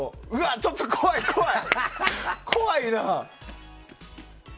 ちょっと怖い怖い！